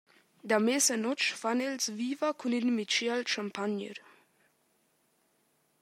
Da mesa notg fan els viva cun in migiel champagner.